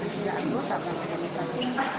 tidak ando takutnya tidak dikati